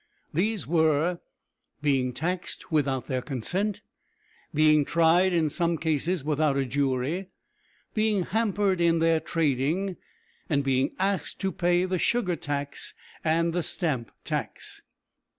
These were: being taxed without their consent, being tried in some cases without a jury, being hampered in their trading, and being asked to pay the sugar tax and the stamp tax.